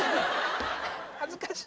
恥ずかしい。